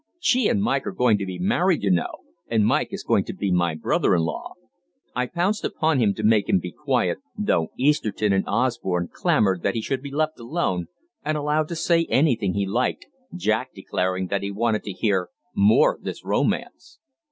She and Mike are going to be married, you know, and Mike is going to be my brother in law." I pounced upon him to make him be quiet, though Easterton and Osborne clamoured that he should be left alone and allowed to say anything he liked, Jack declaring that he wanted to hear "more of this romance."